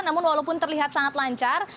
namun walaupun terlihat sangat lancar